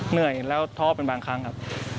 เหนื่อยแล้วท้อเป็นบางครั้งครับ